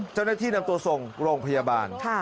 เจ้าหน้าที่นำตัวส่งโรงพยาบาล